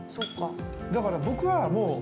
だから僕は、もう。